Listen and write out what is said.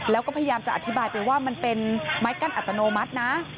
แล้วก็พยายามจะอธิบายไปว่ามันเป็นไม้กั้นอัตโนมัตินะ